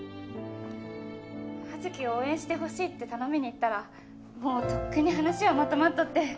葉月を応援してほしいって頼みに行ったらもうとっくに話はまとまっとって。